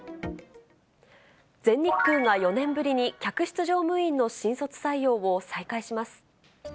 全日空が４年ぶりに客室乗務員の新卒採用を再開します。